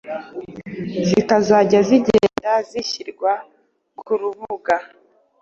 zikazajya zigenda zishyirwa kurubuga